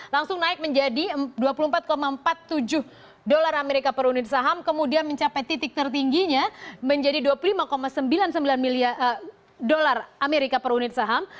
langsung naik menjadi dua puluh empat empat puluh tujuh dolar amerika per unit saham kemudian mencapai titik tertingginya menjadi dua puluh lima sembilan puluh sembilan miliar dolar amerika per unit saham